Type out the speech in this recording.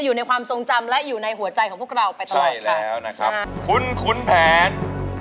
อยู่ในความทรงจำและอยู่ในหัวใจของพวกเราไปตลอดใช่แล้วนะครับคุณขุนแผน